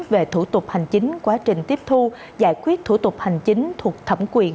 về thủ tục hành chính quá trình tiếp thu giải quyết thủ tục hành chính thuộc thẩm quyền